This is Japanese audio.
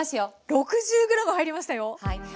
６０ｇ入りましたよ。